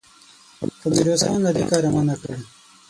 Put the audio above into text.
خو ميرويس خان له دې کاره منع کړ.